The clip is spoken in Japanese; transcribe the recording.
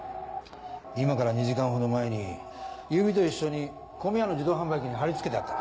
今から２時間ほど前に指と一緒に米屋の自動販売機に貼り付けてあった。